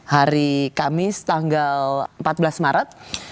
hari kamis tanggal empat belas maret